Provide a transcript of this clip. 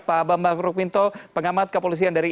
pak bambang rukminto pengamat kepolisian dari